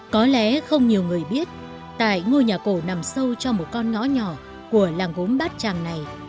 có lẽ không nhiều người biết tại ngôi nhà cổ nằm sâu trong một con ngõ nhỏ của làng gốm bát tràng này